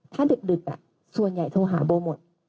ถ้าดึกส่วนใหญ่โทรหาโบหมด